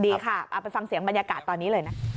ดีค่ะเอาไปฟังเสียงบรรยากาศตอนนี้เลยนะ